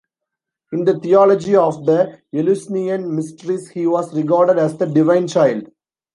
In the theology of the Eleusinian Mysteries he was regarded as the Divine Child.